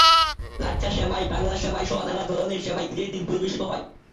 লাচ্ছা সেমাই, বাংলা সেমাইসহ নানা ধরনের সেমাই ঈদের দিন পরিবেশিত হয়।